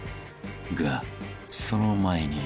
［がその前に］